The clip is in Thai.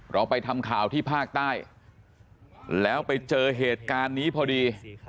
เราไปทำข่าวที่ภาคใต้แล้วไปเจอเหตุการณ์นี้พอดี